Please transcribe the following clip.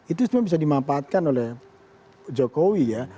itu sebenarnya bisa dimanfaatkan oleh jokowi ya